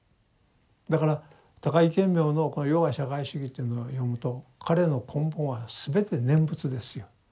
だから高木顕明のこの「余が社会主義」っていうのを読むと彼の根本は全て念仏ですよ。